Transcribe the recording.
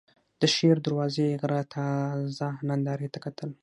د شېر دروازې غره تازه نندارې ته کتل.